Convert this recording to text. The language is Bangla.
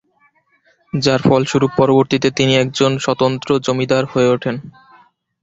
যার ফলস্বরূপ পরবর্তীতে তিনি একজন স্বতন্ত্র জমিদার হয়ে উঠেন।